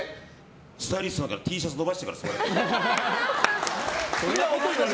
スタイリストだからＴシャツ伸ばしてから座る。